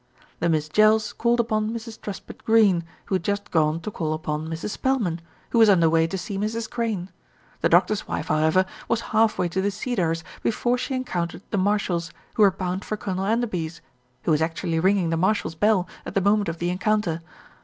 The Miss Jells called upon Mrs. Truspitt Greene, who had just gone to call upon Mrs. Spelman, who was under way to see Mrs. Crane. The doctor's wife, how ever, was half way to The Cedars before she encoun tered the Marshalls, who were bound for Colonel En derby's, who was actually ringing the Marshalls' bell at the moment of the encounter.